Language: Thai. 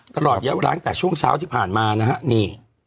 ตลอดเยอะร้างแต่ช่วงเช้าที่ผ่านมานะฮะนี่